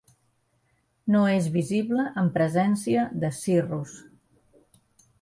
No és visible en presència de cirrus.